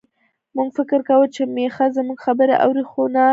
موږ فکر کاوه چې میښه زموږ خبرې اوري، خو نه.